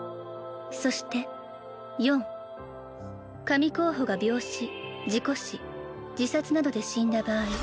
そして４神候補が病死事故死自殺などで死んだ場合